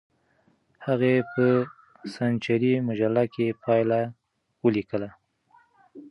هغې په سنچري مجله کې پایله ولیکله.